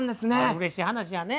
うれしい話やね。